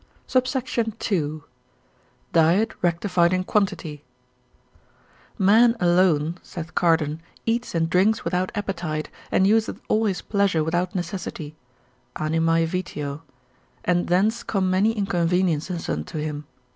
SUBSECT. II.—Diet rectified in quantity. Man alone, saith Cardan, eats and drinks without appetite, and useth all his pleasure without necessity, animae vitio, and thence come many inconveniences unto him.